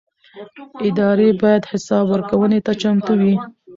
ادارې باید حساب ورکونې ته چمتو وي